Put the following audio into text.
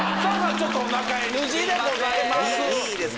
ちょっとおなかＮＧでございます